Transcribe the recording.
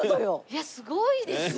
いやすごいですよ。